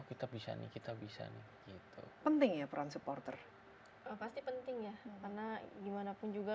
kita bisa nih kita bisa nih autonet intel program supporter pasti penting ya karena gimanapun juga